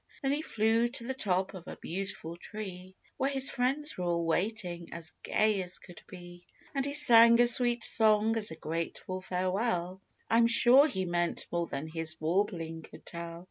Then he flew to the top of a beautiful tree, Where his friends were all waiting, as gay as could be ; And he sang a sweet song as a grateful farewell ; I am sure he meant more than his warbling could tell.